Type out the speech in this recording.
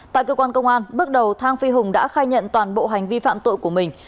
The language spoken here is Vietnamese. tại cơ quan công an bước đầu thang phi hùng đã khai nhận toàn bộ hành vi phạm tội của mình